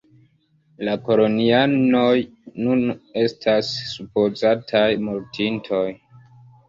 La kolonianoj nun estas supozataj mortintoj.